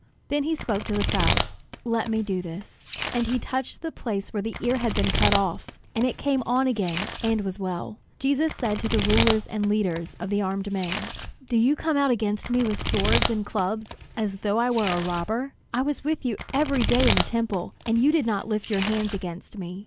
Then he spoke to the crowd, "Let me do this." And he touched the place where the ear had been cut off, and it came on again and was well. Jesus said to the rulers and leaders of the armed men: "Do you come out against me with swords and clubs as though I were a robber? I was with you every day in the Temple, and you did not lift your hands against me.